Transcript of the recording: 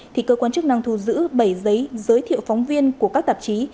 thì cơ quan chức năng thu giữ bảy giấy giới thiệu phóng viên của các tạp chí